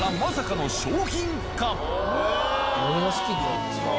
何が好きなんですか？